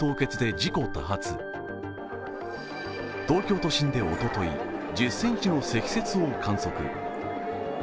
東京都心でおととい１０ｃｍの積雪を観測。